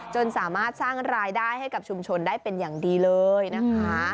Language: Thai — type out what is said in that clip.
จนสามารถสร้างรายได้ให้กับชุมชนได้เป็นอย่างดีเลยนะคะ